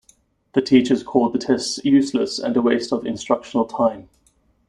The teachers called the tests useless and a waste of instructional time.